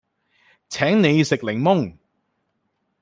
請你食檸檬